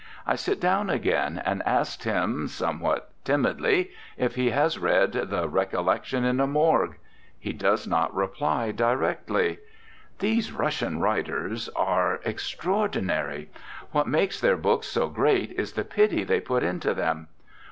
I sit down again, and ask him, somewhat timidly, if he has read the "Recollections in a Morgue." He does not reply directly. "These Russian writers are extraordi nary; what makes their books so great is the pity they put into them.